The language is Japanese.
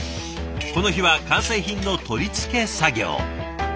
この日は完成品の取り付け作業。